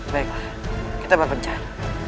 baiklah kita berpencar